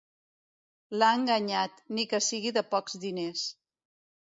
L'ha enganyat, ni que sigui de pocs diners.